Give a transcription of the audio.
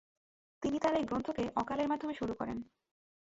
তিনি তার এই গ্রন্থকে আকলের মাধ্যমে শুরু করেন।